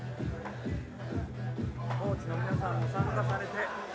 コーチの皆さんも参加されて。